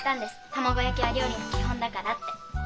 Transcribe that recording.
卵焼きは料理の基本だからって。